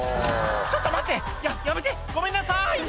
「ちょっと待ってややめてごめんなさい」